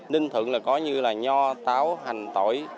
ninh thượng có như là nho táo hành tỏi